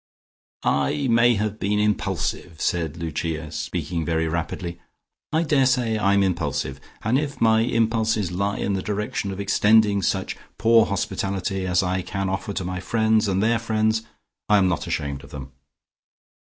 "I may have been impulsive," said Lucia speaking very rapidly. "I daresay I'm impulsive, and if my impulses lie in the direction of extending such poor hospitality as I can offer to my friends, and their friends, I am not ashamed of them.